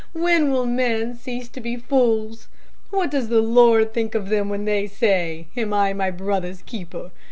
when will men cease to be fools? What does the Lord think of them when they say, 'Am I my brother's keeper?'